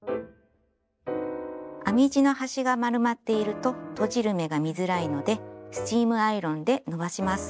編み地の端が丸まっているととじる目が見づらいのでスチームアイロンで伸ばします。